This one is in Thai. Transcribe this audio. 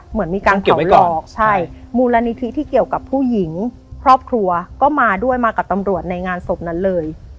เหมือนมีการเผาหลอกใช่มูลนิธิที่เกี่ยวกับผู้หญิงครอบครัวก็มาด้วยมากับตำรวจในงานศพนั้นเลย